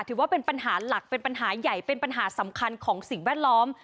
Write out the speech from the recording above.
ถือว่าเป็นปัญหาหลักเป็นปัญหาใหญ่เป็นปัญหาสำคัญของสิ่งแวดล้อม